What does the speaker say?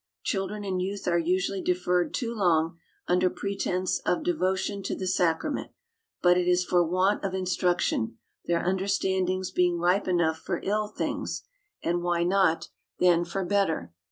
Children and youth are usually deferred too long, under pretence of devotion to the sacrament; but it is for want of instruction: their understand ings being ripe enough for ill things, and why not 28 50 THE COUNTRY PARSON. then for better?